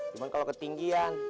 cuman kalau ketinggian